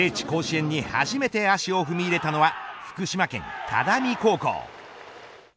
甲子園に初めて足を踏み入れたのは福島県只見高校。